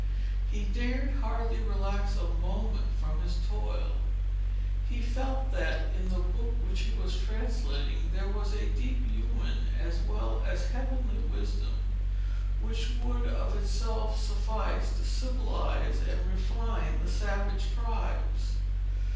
He dared hardly relax a moment from his toil. He felt that, in the book which he was translating, there was a deep human, as well as heavenly wisdom, which would of itself suffice to civilize and refine the savage tribes.